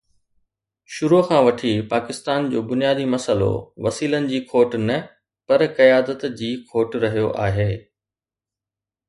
شروع کان وٺي پاڪستان جو بنيادي مسئلو وسيلن جي کوٽ نه پر قيادت جي کوٽ رهيو آهي.